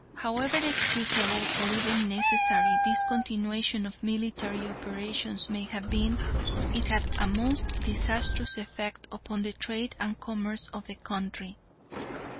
However excusable or even necessary this continuation of military operations may have been, it had a most disastrous effect upon the trade and commerce of the country.